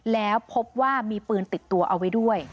แล้วพบว่ามีปืนติดตัวเอาไว้ด้วย